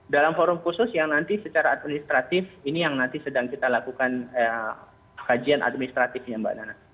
dalam forum khusus yang nanti secara administratif ini yang nanti sedang kita lakukan kajian administratifnya mbak nana